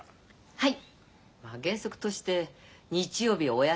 はい。